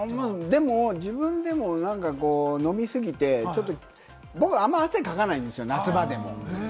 でも自分でも飲みすぎて、ちょっと僕はあんまり汗かかないんですよ、夏場でも。